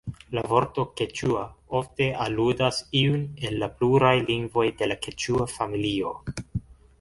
La vorto "keĉua" ofte aludas iun el la pluraj lingvoj de la keĉua familio.